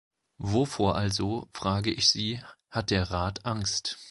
Wovor also, frage ich Sie, hat der Rat Angst?